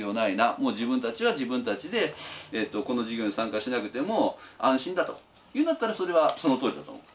もう自分たちは自分たちでこの事業に参加しなくても安心だというんだったらそれはそのとおりだと思う。